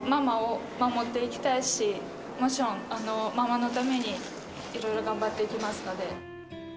これからママを守っていきたいし、もちろん、ママのためにいろいろ頑張っていきますので。